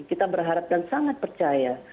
kita berharap dan sangat percaya